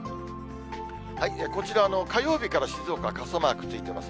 こちらは火曜日から静岡は傘マークついてます。